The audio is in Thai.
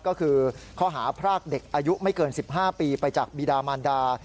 ก็คือข้อหาพรากเด็กอายุไม่เกิน๑๕ปีไปจากบีดามันดา